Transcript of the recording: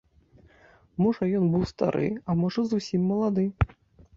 Можа ён быў стары, а можа зусім малады.